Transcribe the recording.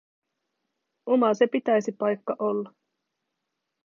Oma se pitäisi paikka olla.